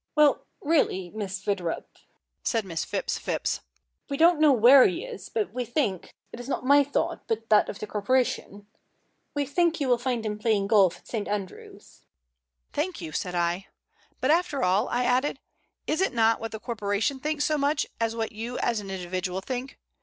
"Well, really, Miss Witherup," said Miss Phipps Phipps, "we don't know where he is, but we think it is not my thought, but that of the corporation we think you will find him playing golf at St. Andrews." "Thank you," said I. "But, after all," I added, "it is not what the corporation thinks so much as what you as an individual think.